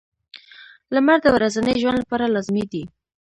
• لمر د ورځني ژوند لپاره لازمي دی.